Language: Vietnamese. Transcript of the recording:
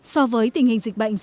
so với tình hình dịch bệnh